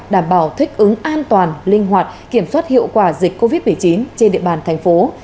đảm bảo thích ứng an toàn linh hoạt kiểm soát hiệu quả dịch covid một mươi chín trên địa bàn thành phố